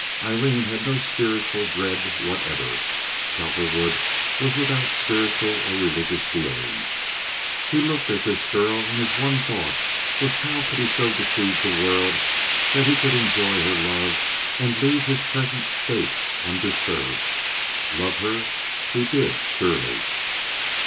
Aileen had no spiritual dread whatever. Cowperwood was without spiritual or religious feeling. He looked at this girl, and his one thought was how could he so deceive the world that he could enjoy her love and leave his present state undisturbed. Love her he did surely.